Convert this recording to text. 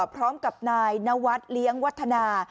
พร้อมกับนายนวัฒน์เลี้ยงวัฒนา